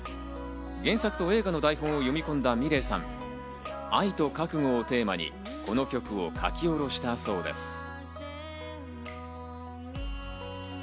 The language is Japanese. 原作と映画の台本を読み込んだｍｉｌｅｔさん、愛と覚悟をテーマに、この曲を書き下ろしたそうです。